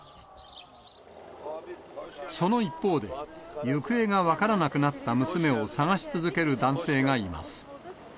その一方で、行方が分からなくなった娘を捜し続ける男性がいます。